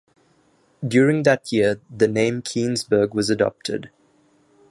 During that year, the name Keansburg was adopted.